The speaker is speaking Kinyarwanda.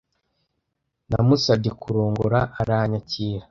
Namusabye kurongora aranyakira.